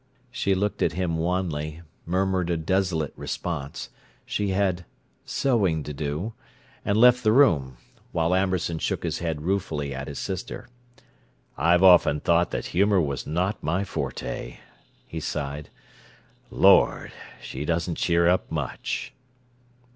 She looked at him wanly, murmured a desolate response—she had "sewing to do"—and left the room; while Amberson shook his head ruefully at his sister. "I've often thought that humor was not my forte," he sighed. "Lord! She doesn't 'cheer up' much!"